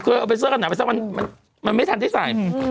ก็เอาเป็นแซ่นหนักไปทั้งวันมันไม่ทันที่ใส่